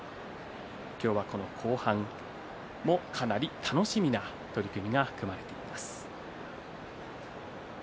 今日はこの後半もかなり楽しみな取組が組まれています。